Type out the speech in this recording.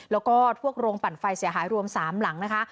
แล้วก็พวกโรงปั่นไฟเสียหายรวม๓หลังนะคะ